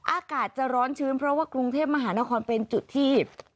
อากาศจะร้อนชื้นเพราะว่ากรุงเทพมหานครเป็นจุดที่